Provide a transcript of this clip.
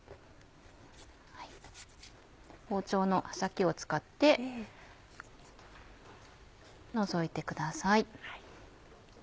包丁の刃先を使って除いてください。